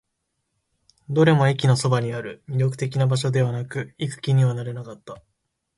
どれも駅のそばにある。魅力的な場所ではなく、行く気にはなれなかった。